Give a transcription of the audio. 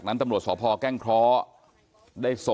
พ่ออยู่หรือเปล่า